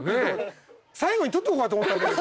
最後に取っとこうかと思ったけど。